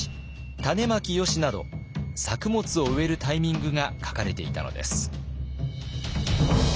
「たねまきよし」など作物を植えるタイミングが書かれていたのです。